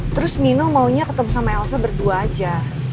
terus nino maunya ketemu sama elsa berdua aja